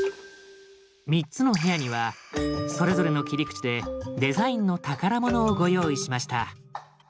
３つの部屋にはそれぞれの切り口でデザインの宝物をご用意しました。